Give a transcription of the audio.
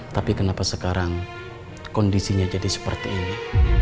tapi kenapa sekarang kondisinya jadi seperti ini